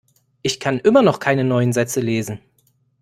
Ich kann immer noch keine neuen Sätze lesen.